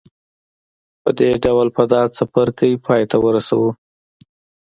په دې ډول به دا څپرکی پای ته ورسوو